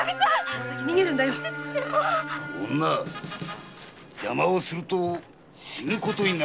女邪魔をすると死ぬことになるぞ！